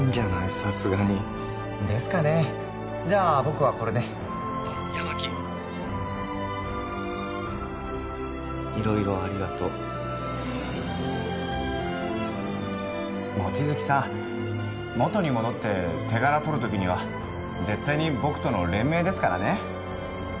さすがにですかねじゃ僕はこれで☎あっ八巻色々ありがと望月さん元に戻って手柄とる時には絶対に僕との連名ですからね